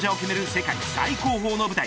世界最高峰の舞台